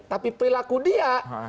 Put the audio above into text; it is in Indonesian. tapi perilaku dia